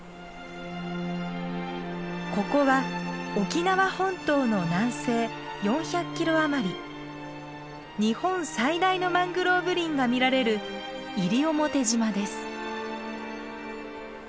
ここは沖縄本島の南西４００キロ余り日本最大のマングローブ林が見られる西表島です。